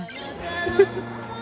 フフフッ！